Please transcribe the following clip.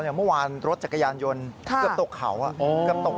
ว่าวิทยุมารมมุมรถจักรยานยนต์ถูกเกาโทรมาก